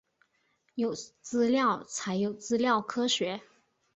有资料才有资料科学